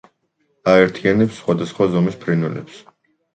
აერთიანებს სხვადასხვა ზომის ფრინველებს.